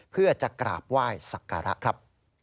เพื่อจะกราบไหว้สักการะครับ